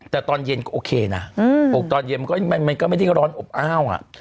แต่ตอนเย็นก็โอเคนะอกตอนเย็นมันก็ไม่ได้ร้อนอบอ้าว